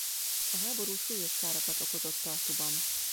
A háború súlyos károkat okozott Tartuban.